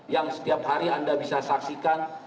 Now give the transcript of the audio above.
yang setiap hari anda bisa saksikan